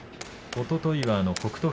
おとといは北勝